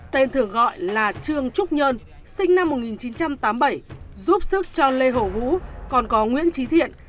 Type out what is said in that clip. tên thường gọi là trương trúc nhơn sinh năm một nghìn chín trăm tám mươi bảy giúp sức cho lê hồ vũ còn có nguyễn trí thiện